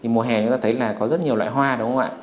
mùa hè chúng ta thấy là có rất nhiều loại hoa đúng không ạ